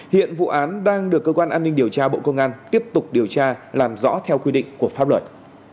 hiện vụ án đang được cơ quan an ninh điều tra bộ công an tiếp tục điều tra làm rõ theo quy định của pháp luật